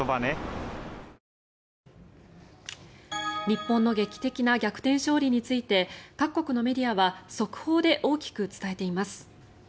日本の劇的な逆転勝利について各国のメディアは速報で大きく伝えています。